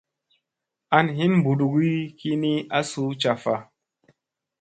An hin mbuɗugi ki ni a suu caffa.